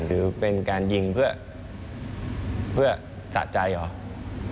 หรือเป็นการยิงเพื่อสะใจเหรอ